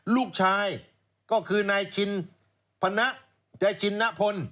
ลูกชายก็คือนายชินพนะยายชินนะพล